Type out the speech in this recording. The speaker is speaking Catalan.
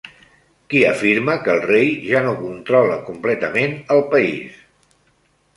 Qui afirma que el rei ja no controla completament el país?